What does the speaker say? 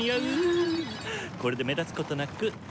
これで目立つことなく！